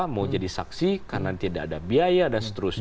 mau jadi saksi karena tidak ada biaya dan seterusnya